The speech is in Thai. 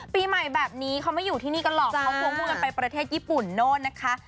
ปีใหม่แบบนี้เขาไม่อยู่ที่นี่กันหรอกเขาควงกันไปประเทศญี่ปุ่นโน่นนะคะ